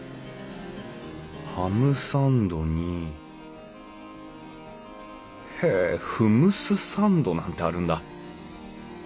ハムサンドにへえフムスサンドなんてあるんだ。